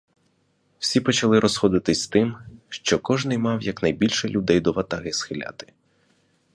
Всі почали розходитися з тим, що кожний мав якнайбільше людей до ватаги схиляти.